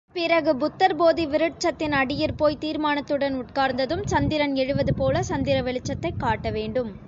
பிறகு புத்தர் போதி விருட்சத்தின் அடியிற் போய் தீர்மானத்துடன் உட்கார்ந்ததும், சந்திரன் எழுவதுபோல சந்திர வெளிச்சத்தைக் காட்ட வேண்டும்.